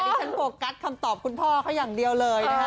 นี่ฉันโปรกัสคำตอบคุณพ่อเขาอย่างเดียวเลย